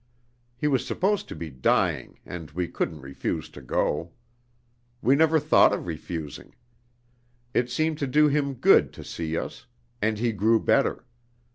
He was supposed to be dying, and we couldn't refuse to go. We never thought of refusing. It seemed to do him good to see us, and he grew better.